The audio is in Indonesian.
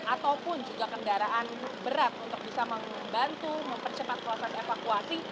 ataupun juga kendaraan berat untuk bisa membantu mempercepat proses evakuasi